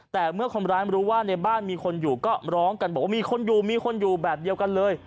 แต่เมื่อคนร้ายมารู้ว่าในบ้านมีคนอยู่ก็ร้องกันบอกว่ามีคนอยู่มีคนอยู่แบบเดียวกันเลย